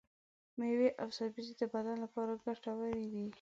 ميوې او سبزي د بدن لپاره ګټورې دي.